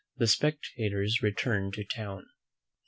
THE SPECTATOR'S RETURN TO TOWN.